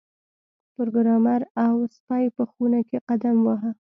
پروګرامر او سپی په خونه کې قدم واهه